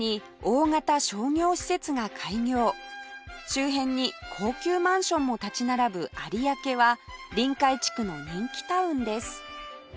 周辺に高級マンションも立ち並ぶ有明は臨海地区の人気タウンです